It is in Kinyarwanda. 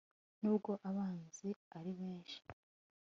nubwo abanzi ari benshi